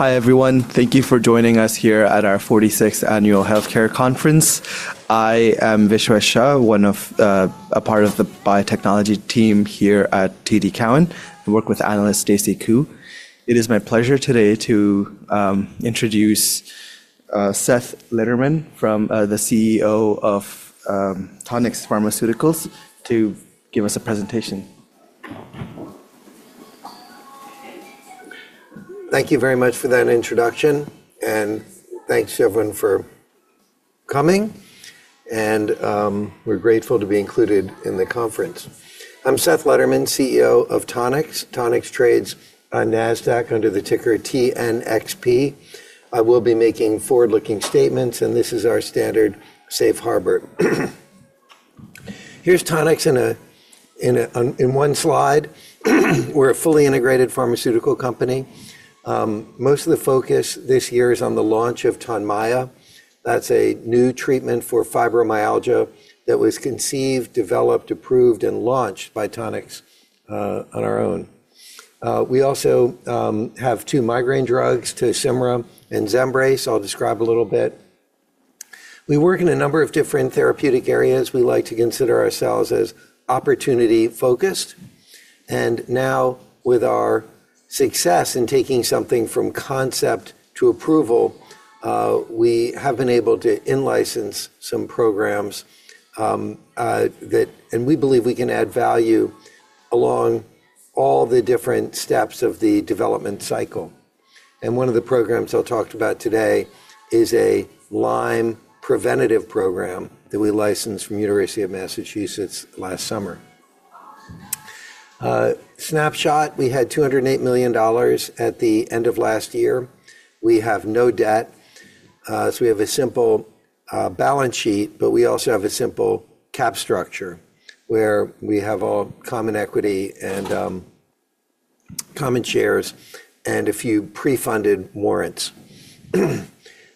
Hi, everyone. Thank you for joining us here at our 46th Annual Healthcare Conference. I am Vishwa Shah, one of, a part of the biotechnology team here at TD Cowen. I work with analyst Stacy Ku. It is my pleasure today to introduce Seth Lederman from the CEO of Tonix Pharmaceuticals to give us a presentation. Thank you very much for that introduction, and thanks, everyone, for coming. We're grateful to be included in the conference. I'm Seth Lederman, CEO of Tonix. Tonix trades on Nasdaq under the ticker TNXP. I will be making forward-looking statements, and this is our standard safe harbor. Here's Tonix in one slide. We're a fully integrated pharmaceutical company. Most of the focus this year is on the launch of Tonmya. That's a new treatment for fibromyalgia that was conceived, developed, approved, and launched by Tonix on our own. We also have two migraine drugs, Tosymra and Zembrace, I'll describe a little bit. We work in a number of different therapeutic areas. We like to consider ourselves as opportunity-focused. Now with our success in taking something from concept to approval, we have been able to in-license some programs. We believe we can add value along all the different steps of the development cycle. One of the programs I'll talk about today is a Lyme preventative program that we licensed from University of Massachusetts last summer. Snapshot, we had $208 million at the end of last year. We have no debt. We have a simple balance sheet, but we also have a simple cap structure where we have all common equity and common shares and a few pre-funded warrants.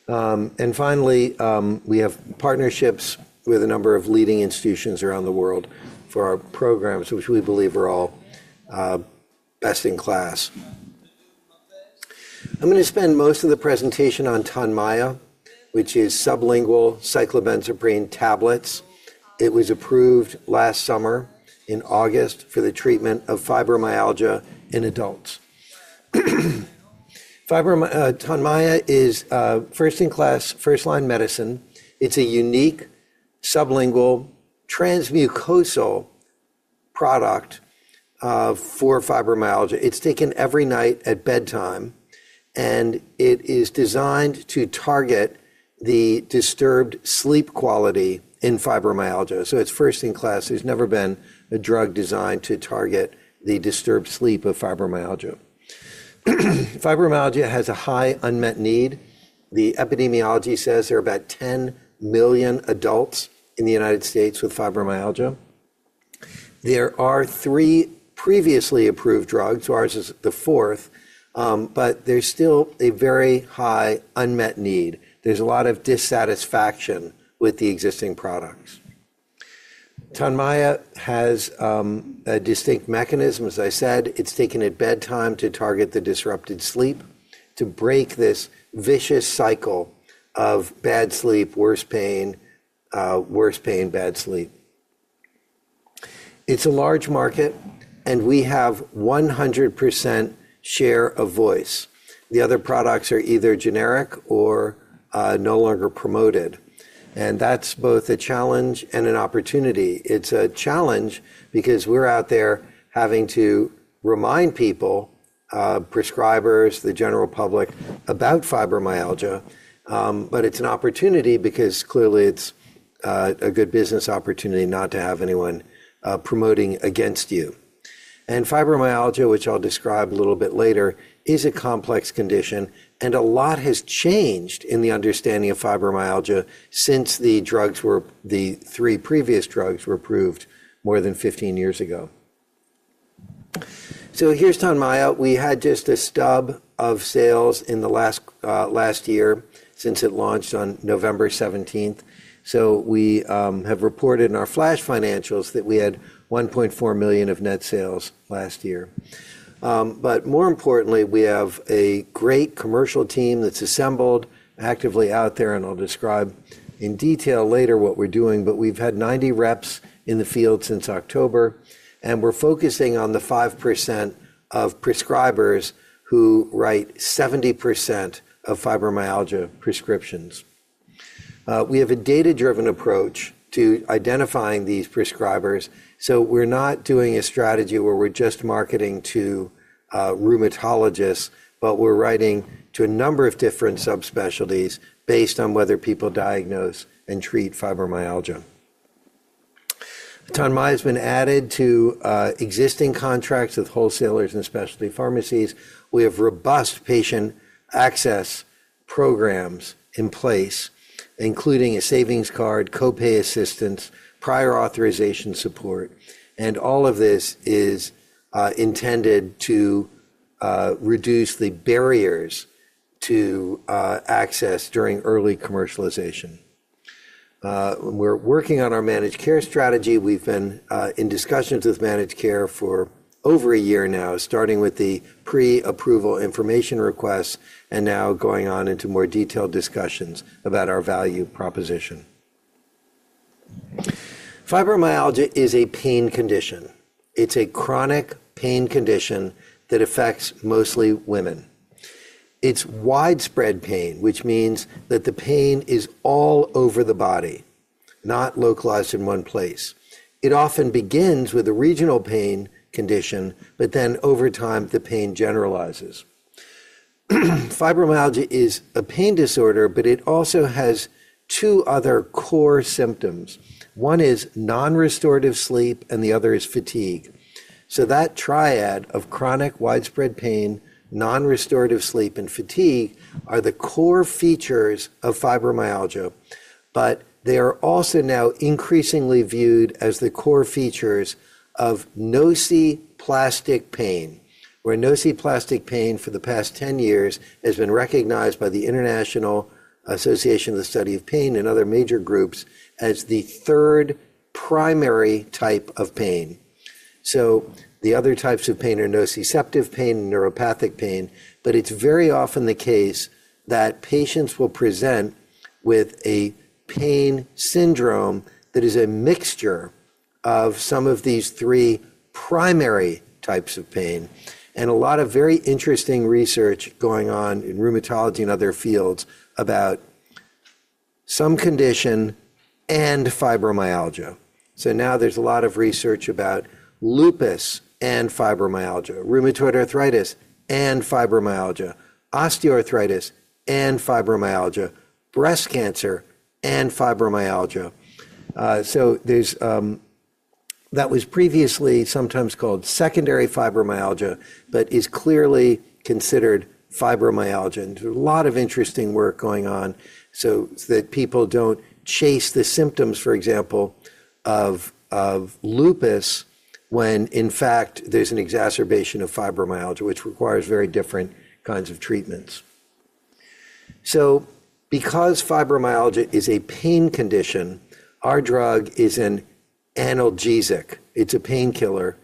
Finally, we have partnerships with a number of leading institutions around the world for our programs, which we believe are all best in class. I'm gonna spend most of the presentation on Tonmya, which is sublingual cyclobenzaprine tablets. It was approved last summer in August for the treatment of fibromyalgia in adults. Tonmya is a first-in-class, first-line medicine. It's a unique sublingual transmucosal product for fibromyalgia. It's taken every night at bedtime, and it is designed to target the disturbed sleep quality in fibromyalgia, so it's first-in-class. There's never been a drug designed to target the disturbed sleep of fibromyalgia. Fibromyalgia has a high unmet need. The epidemiology says there are about 10 million adults in the United States with fibromyalgia. There are three previously approved drugs. Ours is the fourth, but there's still a very high unmet need. There's a lot of dissatisfaction with the existing products. Tonmya has a distinct mechanism. As I said, it's taken at bedtime to target the disrupted sleep to break this vicious cycle of bad sleep, worse pain, bad sleep. It's a large market, and we have 100% share of voice. The other products are either generic or no longer promoted, and that's both a challenge and an opportunity. It's a challenge because we're out there having to remind people, prescribers, the general public, about fibromyalgia. But it's an opportunity because clearly it's a good business opportunity not to have anyone promoting against you. And fibromyalgia, which I'll describe a little bit later, is a complex condition, and a lot has changed in the understanding of fibromyalgia since the three previous drugs were approved more than 15 years ago. Here's Tonmya. We had just a stub of sales in the last year since it launched on November 17th. We have reported in our flash financials that we had $1.4 million of net sales last year. More importantly, we have a great commercial team that's assembled actively out there, and I'll describe in detail later what we're doing. We've had 90 reps in the field since October, and we're focusing on the 5% of prescribers who write 70% of fibromyalgia prescriptions. We have a data-driven approach to identifying these prescribers, we're not doing a strategy where we're just marketing to rheumatologists, we're writing to a number of different subspecialties based on whether people diagnose and treat fibromyalgia. Tonmya's been added to existing contracts with wholesalers and specialty pharmacies. We have robust patient access programs in place, including a savings card, co-pay assistance, prior authorization support, and all of this is intended to reduce the barriers to access during early commercialization. We're working on our managed care strategy. We've been in discussions with managed care for over a year now, starting with the pre-approval information requests and now going on into more detailed discussions about our value proposition. Fibromyalgia is a pain condition. It's a chronic pain condition that affects mostly women. It's widespread pain, which means that the pain is all over the body, not localized in one place. It often begins with a regional pain condition, but then over time, the pain generalizes. Fibromyalgia is a pain disorder, but it also has two other core symptoms. One is non-restorative sleep, and the other is fatigue. That triad of chronic widespread pain, non-restorative sleep, and fatigue are the core features of fibromyalgia. They are also now increasingly viewed as the core features of nociplastic pain, where nociplastic pain for the past 10 years has been recognized by the International Association for the Study of Pain and other major groups as the third primary type of pain. The other types of pain are nociceptive pain and neuropathic pain, but it's very often the case that patients will present with a pain syndrome that is a mixture of some of these three primary types of pain. A lot of very interesting research going on in rheumatology and other fields about some condition and fibromyalgia. Now there's a lot of research about lupus and fibromyalgia, rheumatoid arthritis and fibromyalgia, osteoarthritis and fibromyalgia, breast cancer and fibromyalgia. There's. That was previously sometimes called secondary fibromyalgia, but is clearly considered fibromyalgia. There's a lot of interesting work going on so that people don't chase the symptoms, for example, of lupus when, in fact, there's an exacerbation of fibromyalgia, which requires very different kinds of treatments. Because fibromyalgia is a pain condition, our drug is an analgesic. It's a painkiller.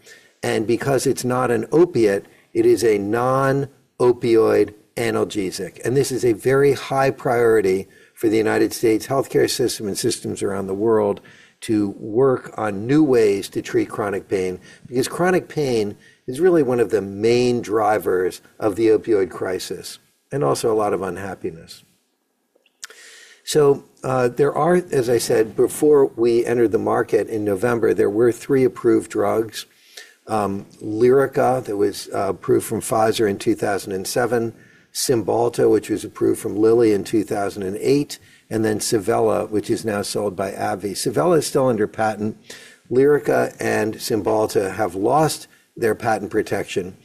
Because it's not an opioid, it is a non-opioid analgesic. This is a very high priority for the United States healthcare system and systems around the world to work on new ways to treat chronic pain, because chronic pain is really one of the main drivers of the opioid crisis and also a lot of unhappiness. There are, as I said before, we entered the market in November, there were three approved drugs. Lyrica, that was approved from Pfizer in 2007. Cymbalta, which was approved from Lilly in 2008. Savella, which is now sold by AbbVie. Savella is still under patent. Lyrica and Cymbalta have lost their patent protection.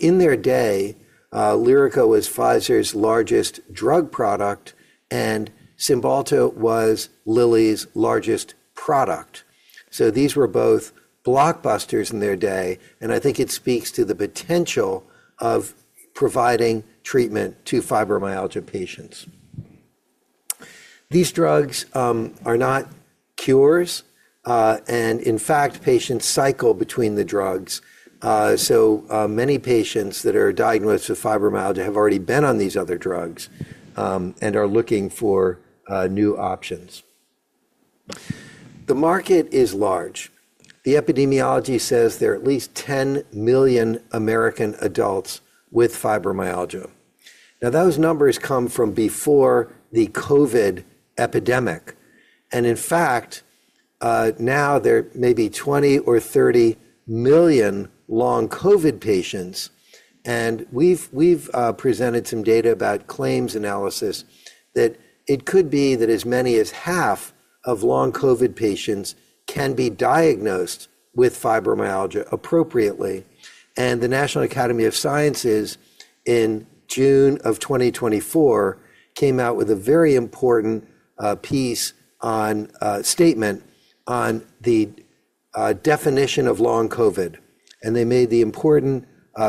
In their day, Lyrica was Pfizer's largest drug product, and Cymbalta was Lilly's largest product. These were both blockbusters in their day, and I think it speaks to the potential of providing treatment to fibromyalgia patients. These drugs are not cures, and in fact, patients cycle between the drugs. Many patients that are diagnosed with fibromyalgia have already been on these other drugs, and are looking for new options. The market is large. The epidemiology says there are at least 10 million American adults with fibromyalgia. Those numbers come from before the COVID epidemic. In fact, now there may be 20 or 30 million long COVID patients. We've presented some data about claims analysis that it could be that as many as half of long COVID patients can be diagnosed with fibromyalgia appropriately. The National Academy of Sciences in June of 2024 came out with a very important piece on statement on the definition of long COVID. They made the important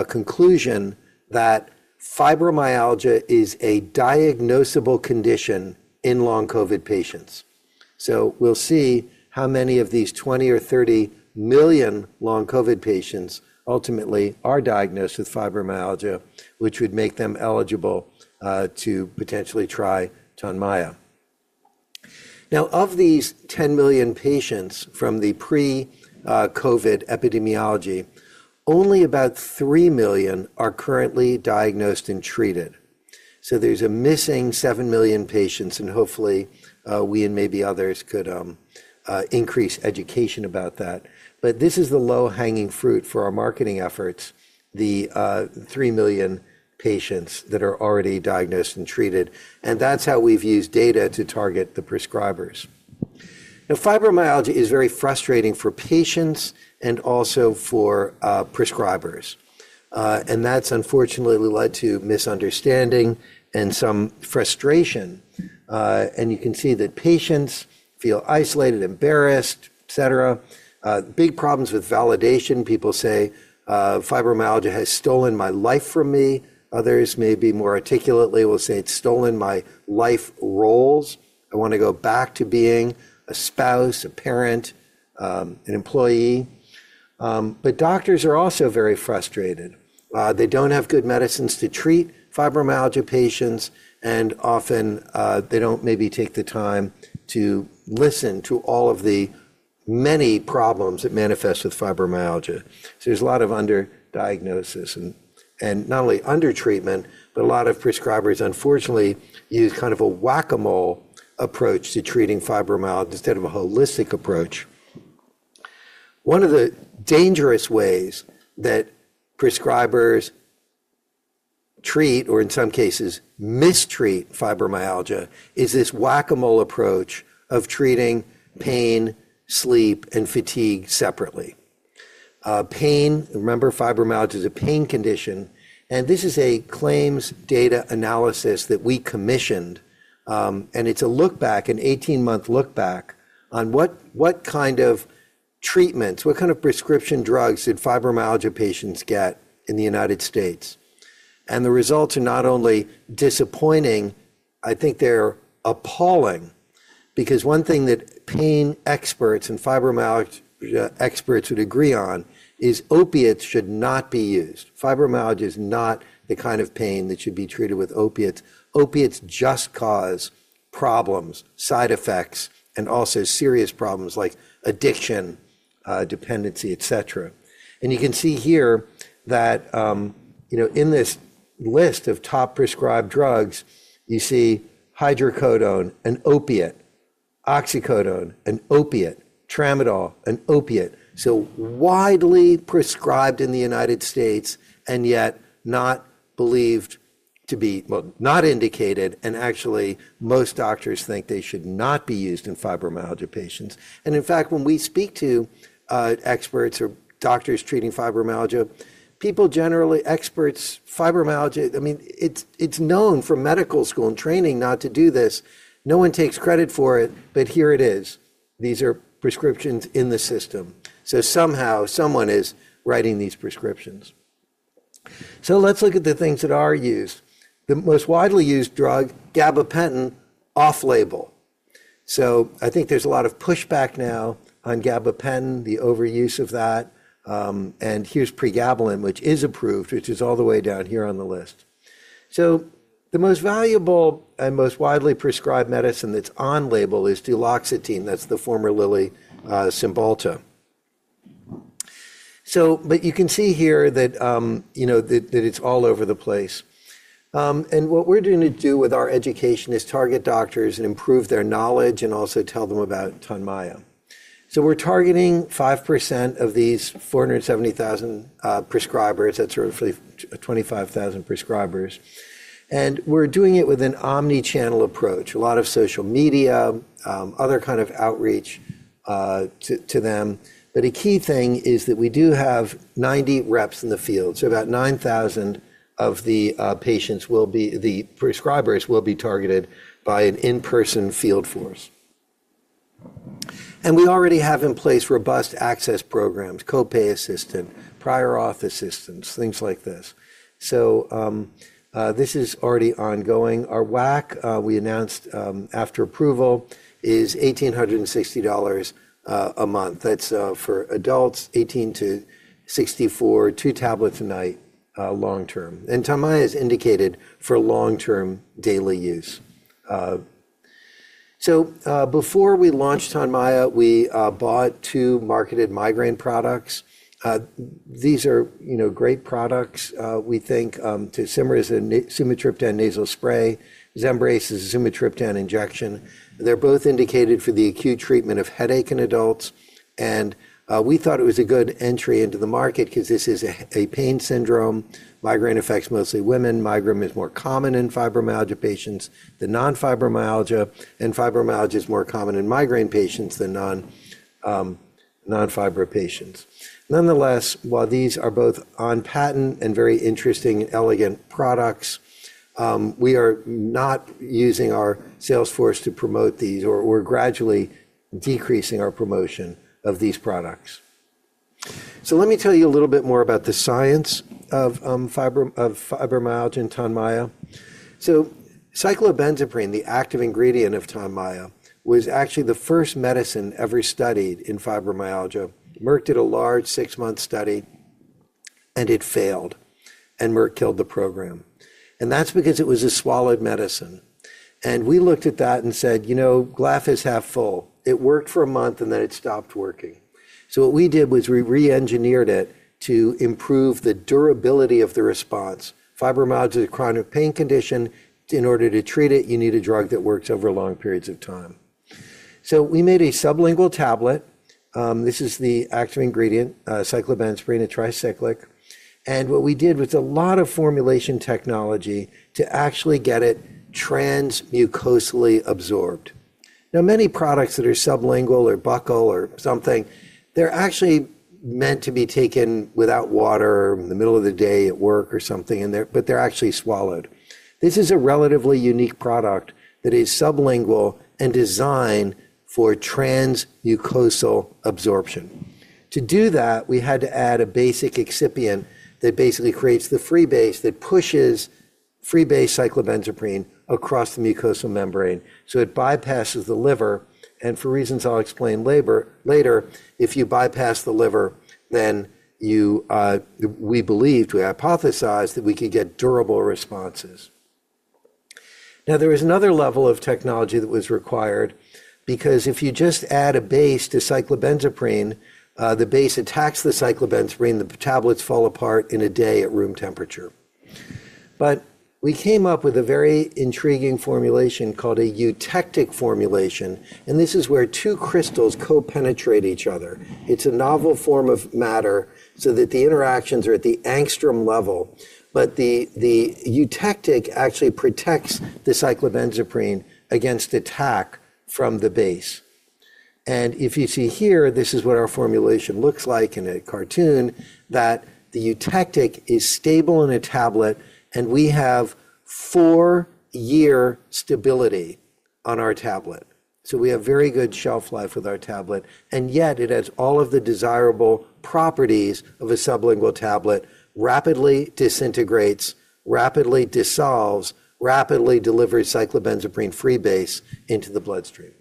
conclusion that fibromyalgia is a diagnosable condition in long COVID patients. We'll see how many of these 20 or 30 million long COVID patients ultimately are diagnosed with fibromyalgia, which would make them eligible to potentially try Tonmya. Of these 10 million patients from the pre-COVID epidemiology, only about three million are currently diagnosed and treated. There's a missing seven million patients, and hopefully, we and maybe others could increase education about that. This is the low-hanging fruit for our marketing efforts, the three million patients that are already diagnosed and treated. That's how we've used data to target the prescribers. Fibromyalgia is very frustrating for patients and also for prescribers. That's unfortunately led to misunderstanding and some frustration. You can see that patients feel isolated, embarrassed, et cetera. Big problems with validation. People say, "Fibromyalgia has stolen my life from me." Others may be more articulately will say, "It's stolen my life roles. I wanna go back to being a spouse, a parent, an employee." Doctors are also very frustrated. They don't have good medicines to treat fibromyalgia patients, and often, they don't maybe take the time to listen to all of the many problems that manifest with fibromyalgia. There's a lot of underdiagnosis and not only under-treatment, but a lot of prescribers unfortunately use kind of a Whac-A-Mole approach to treating fibromyalgia instead of a holistic approach. One of the dangerous ways that prescribers treat, or in some cases mistreat, fibromyalgia is this Whac-A-Mole approach of treating pain, sleep, and fatigue separately. Pain, remember fibromyalgia is a pain condition, and this is a claims data analysis that we commissioned, and it's a look-back, a 18-month look-back on what kind of treatments, what kind of prescription drugs did fibromyalgia patients get in the United States. The results are not only disappointing, I think they're appalling because one thing that pain experts and fibromyalgia experts would agree on is opioids should not be used. Fibromyalgia is not the kind of pain that should be treated with opioids. opioids just cause problems, side effects, and also serious problems like addiction, dependency, et cetera. You can see here that, you know, in this list of top prescribed drugs, you see hydrocodone, an opioid, oxycodone, an opioid, tramadol, an opioid. Widely prescribed in the United States and yet not believed to be, well, not indicated, and actually most doctors think they should not be used in fibromyalgia patients. In fact, when we speak to experts or doctors treating fibromyalgia, experts, fibromyalgia, I mean, it's known from medical school and training not to do this. No one takes credit for it, here it is. These are prescriptions in the system. Somehow someone is writing these prescriptions. Let's look at the things that are used. The most widely used drug, gabapentin, off-label. I think there's a lot of pushback now on gabapentin, the overuse of that. Here's pregabalin, which is approved, which is all the way down here on the list. The most valuable and most widely prescribed medicine that's on-label is duloxetine. That's the former Lilly, Cymbalta. You can see here that, you know, that it's all over the place. What we're gonna do with our education is target doctors and improve their knowledge and also tell them about Tonmya. We're targeting 5% of these 470,000 prescribers. That's roughly 25,000 prescribers. We're doing it with an omni-channel approach, a lot of social media, other kind of outreach to them. A key thing is that we do have 90 reps in the field, so about 9,000 of the prescribers will be targeted by an in-person field force. We already have in place robust access programs, co-pay assistant, prior auth assistants, things like this. This is already ongoing. Our WAC we announced after approval, is $1,860 a month. That's for adults 18 to 64, two tablets a night, long-term. Tonmya is indicated for long-term daily use. Before we launched Tonmya, we bought two marketed migraine products. These are, you know, great products. We think Tosymra is a sumatriptan nasal spray. Zembrace is a sumatriptan injection. They're both indicated for the acute treatment of headache in adults. We thought it was a good entry into the market because this is a pain syndrome. Migraine affects mostly women. Migraine is more common in fibromyalgia patients than non-fibromyalgia, and fibromyalgia is more common in migraine patients than non-fibro patients. Nonetheless, while these are both on patent and very interesting and elegant products, we are not using our sales force to promote these, or we're gradually decreasing our promotion of these products. Let me tell you a little bit more about the science of fibromyalgia and Tonmya. Cyclobenzaprine, the active ingredient of Tonmya, was actually the first medicine ever studied in fibromyalgia. Merck did a large 6-month study, and it failed, and Merck killed the program. That's because it was a swallowed medicine. We looked at that and said, "You know, glass is half full. It worked for a month, and then it stopped working." What we did was we re-engineered it to improve the durability of the response. Fibromyalgia is a chronic pain condition. In order to treat it, you need a drug that works over long periods of time. We made a sublingual tablet. This is the active ingredient, cyclobenzaprine, a tricyclic. What we did with a lot of formulation technology to actually get it transmucosally absorbed. Many products that are sublingual or buccal or something, they're actually meant to be taken without water in the middle of the day at work or something, but they're actually swallowed. This is a relatively unique product that is sublingual and designed for transmucosal absorption. To do that, we had to add a basic excipient that basically creates the freebase that pushes freebase cyclobenzaprine across the mucosal membrane. It bypasses the liver, and for reasons I'll explain later, if you bypass the liver, then you, we believed, we hypothesized that we could get durable responses. There is another level of technology that was required because if you just add a base to cyclobenzaprine, the base attacks the cyclobenzaprine, the tablets fall apart in a day at room temperature. We came up with a very intriguing formulation called a eutectic formulation, and this is where two crystals co-penetrate each other. It's a novel form of matter so that the interactions are at the angstrom level. The eutectic actually protects the cyclobenzaprine against attack from the base. If you see here, this is what our formulation looks like in a cartoon, that the eutectic is stable in a tablet, and we have 4-year stability on our tablet. We have very good shelf life with our tablet, and yet it has all of the desirable properties of a sublingual tablet, rapidly disintegrates, rapidly dissolves, rapidly delivers cyclobenzaprine freebase into the bloodstream.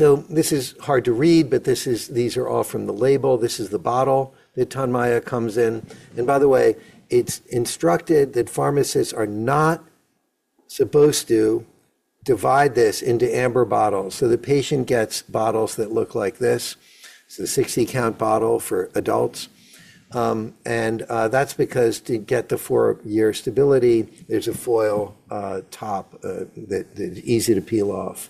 This is hard to read, but these are all from the label. This is the bottle that Tonmya comes in. By the way, it's instructed that pharmacists are not supposed to divide this into amber bottles. The patient gets bottles that look like this. It's a 60-count bottle for adults. And that's because to get the 4-year stability, there's a foil top that is easy to peel off.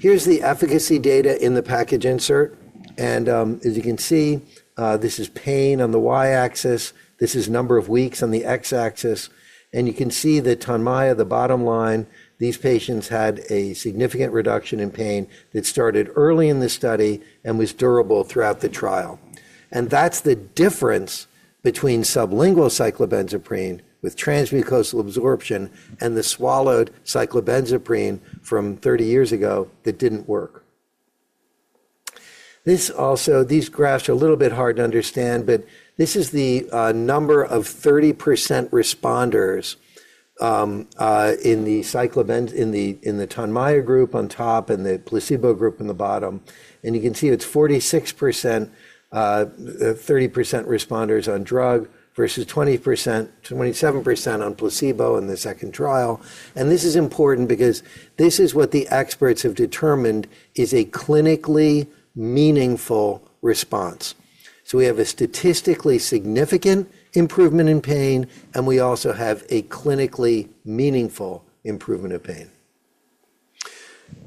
Here's the efficacy data in the package insert. As you can see, this is pain on the Y-axis, this is number of weeks on the X-axis. You can see that Tonmya, the bottom line, these patients had a significant reduction in pain that started early in the study and was durable throughout the trial. That's the difference between sublingual cyclobenzaprine with transmucosal absorption and the swallowed cyclobenzaprine from 30 years ago that didn't work. These graphs are a little bit hard to understand, but this is the number of 30% responders in the Tonmya group on top and the placebo group in the bottom. You can see it's 46% 30% responders on drug versus 20%, 27% on placebo in the second trial. This is important because this is what the experts have determined is a clinically meaningful response. We have a statistically significant improvement in pain, and we also have a clinically meaningful improvement of pain.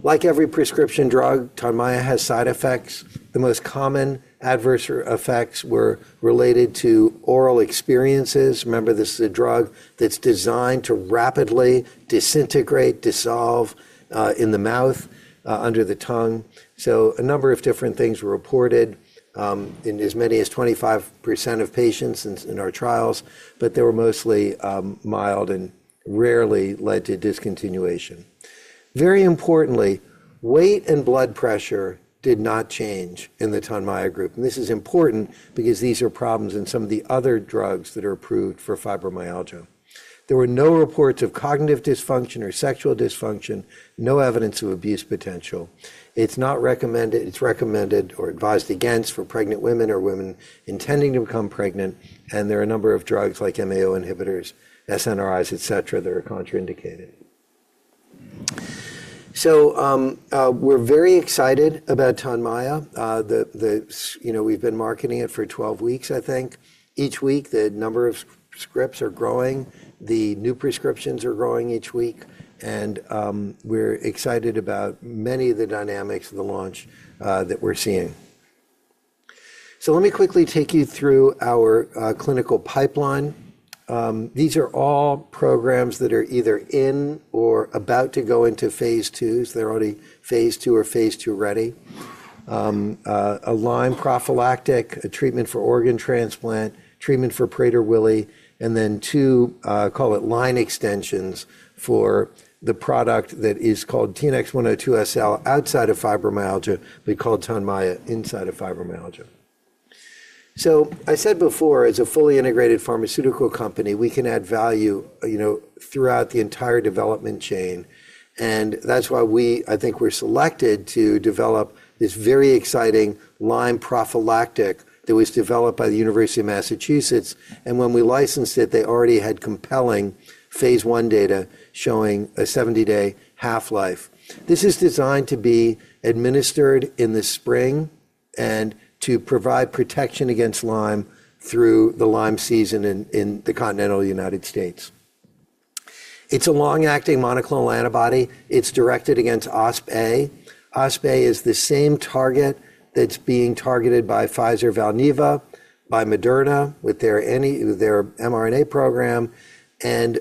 Like every prescription drug, Tonmya has side effects. The most common adverse effects were related to oral experiences. Remember, this is a drug that's designed to rapidly disintegrate, dissolve, in the mouth, under the tongue. A number of different things were reported in as many as 25% of patients in our trials, but they were mostly mild and rarely led to discontinuation. Very importantly, weight and blood pressure did not change in the Tonmya group. This is important because these are problems in some of the other drugs that are approved for fibromyalgia. There were no reports of cognitive dysfunction or sexual dysfunction, no evidence of abuse potential. It's recommended or advised against for pregnant women or women intending to become pregnant. There are a number of drugs like MAO inhibitors, SNRIs, et cetera, that are contraindicated. We're very excited about Tonmya. You know, we've been marketing it for 12 weeks, I think. Each week, the number of scripts are growing. The new prescriptions are growing each week. We're excited about many of the dynamics of the launch that we're seeing. Let me quickly take you through our clinical pipeline. These are all programs that are either in or about to go into phase II trialss. They're already phase II or phase II-ready. A Lyme prophylactic, a treatment for organ transplant, treatment for Prader-Willi, and then two, call it line extensions for the product that is called TNX-102 SL outside of fibromyalgia. We call it Tonmya inside of fibromyalgia. I said before, as a fully integrated pharmaceutical company, we can add value, you know, throughout the entire development chain. That's why we, I think we're selected to develop this very exciting Lyme prophylactic that was developed by the University of Massachusetts. When we licensed it, they already had compelling phase one data showing a 70-day half-life. This is designed to be administered in the spring and to provide protection against Lyme through the Lyme season in the continental United States. It's a long-acting monoclonal antibody. It's directed against OspA. OspA is the same target that's being targeted by Pfizer/Valneva, by Moderna with their with their mRNA program, and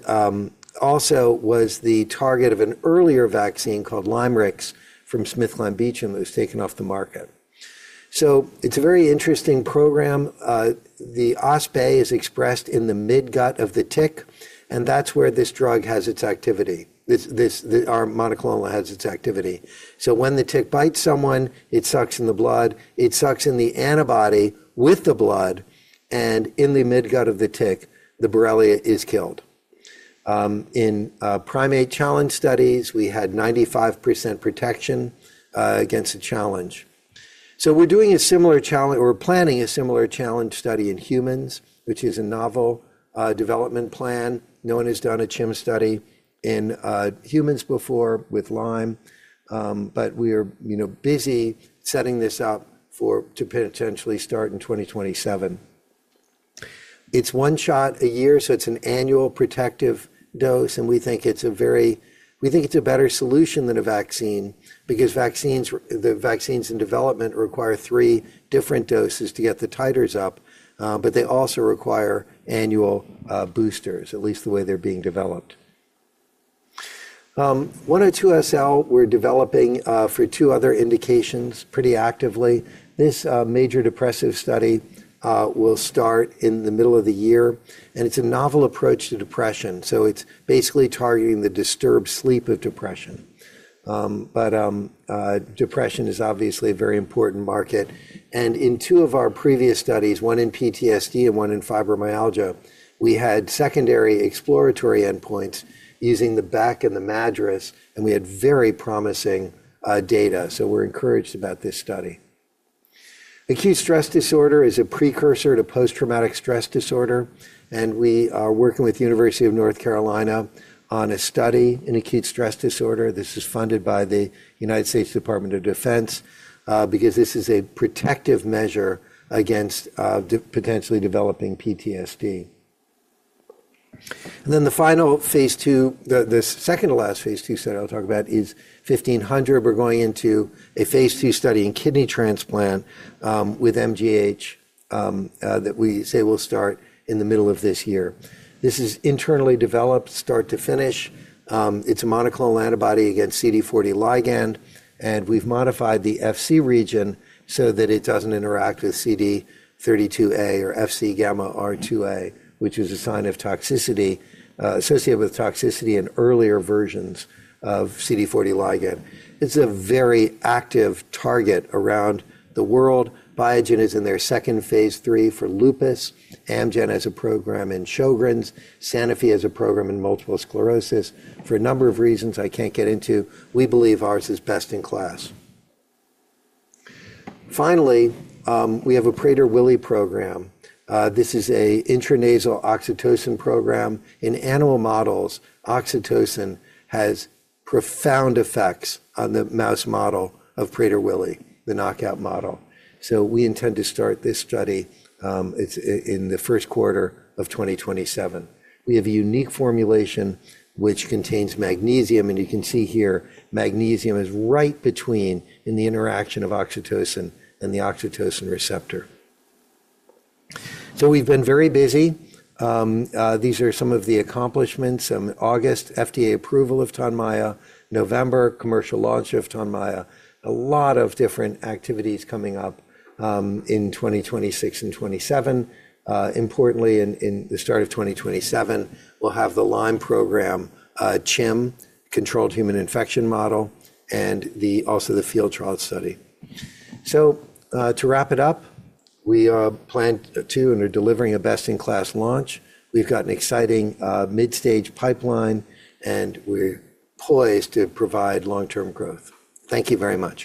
also was the target of an earlier vaccine called LYMErix from SmithKline Beecham that was taken off the market. It's a very interesting program. The OspA is expressed in the midgut of the tick. That's where this drug has its activity. Our monoclonal has its activity. When the tick bites someone, it sucks in the blood, it sucks in the antibody with the blood, and in the midgut of the tick, the Borrelia is killed. In primate challenge studies, we had 95% protection against a challenge. We're doing a similar challenge or we're planning a similar challenge study in humans, which is a novel development plan. No one has done a CHIM study in humans before with Lyme, but we're, you know, busy setting this up to potentially start in 2027. It's one shot a year, so it's an annual protective dose, and we think it's a better solution than a vaccine because the vaccines in development require three different doses to get the titers up, but they also require annual boosters, at least the way they're being developed. TNX-102 SL we're developing for two other indications pretty actively. This major depressive study will start in the middle of the year, and it's a novel approach to depression, so it's basically targeting the disturbed sleep of depression. Depression is obviously a very important market. In two of our previous studies, one in PTSD and one in fibromyalgia, we had secondary exploratory endpoints using the Beck and the MADRS, and we had very promising data. We're encouraged about this study. Acute stress disorder is a precursor to post-traumatic stress disorder, and we are working with the University of North Carolina on a study in acute stress disorder. This is funded by the United States Department of Defense, because this is a protective measure against potentially developing PTSD. The second to last phase II study I'll talk about is 1500. We're going into a phase II study in kidney transplant, with MGH, that we say will start in the middle of this year. This is internally developed start to finish. It's a monoclonal antibody against CD40 ligand, and we've modified the Fc region so that it doesn't interact with CD32A or FcγRIIa, which is a sign of toxicity associated with toxicity in earlier versions of CD40 ligand. It's a very active target around the world. Biogen is in their second phase III for lupus. Amgen has a program in Sjogren's. Sanofi has a program in multiple sclerosis. For a number of reasons I can't get into, we believe ours is best in class. Finally, we have a Prader-Willi program. This is a intranasal oxytocin program. In animal models, oxytocin has profound effects on the mouse model of Prader-Willi, the knockout model. We intend to start this study, it's in the first quarter of 2027. We have a unique formulation which contains magnesium, and you can see here magnesium is right between in the interaction of oxytocin and the oxytocin receptor. These are some of the accomplishments. August, FDA approval of Tonmya. November, commercial launch of Tonmya. A lot of different activities coming up in 2026 and 2027. Importantly, in the start of 2027, we'll have the Lyme program, CHIM, Controlled Human Infection Model, and also the field trial study. To wrap it up, we plan to and are delivering a best-in-class launch. We've got an exciting midstage pipeline, and we're poised to provide long-term growth. Thank you very much.